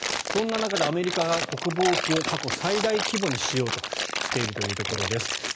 そんな中でアメリカは国防費を過去最大規模にしようとしているというところです。